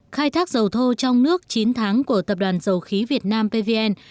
khai thác dầu thô trong nước chín tháng của tập đoàn dầu khí việt nam pvn